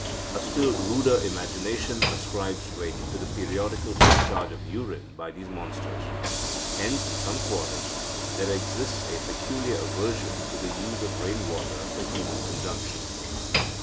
A still ruder imagination ascribes rain to the periodical discharge of urine by these monsters. Hence, in some quarters, there exists a peculiar aversion to the use of rain water for human consumption."